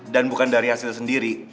dan bukan dari hasil sendiri